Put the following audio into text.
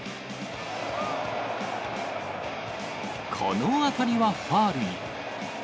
この当たりはファウルに。